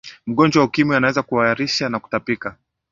mgonjwa wa ukimwi anaweza kuharisha na kutapika